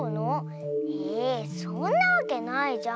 えそんなわけないじゃん。